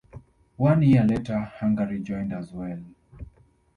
One year later Hungary joined as well.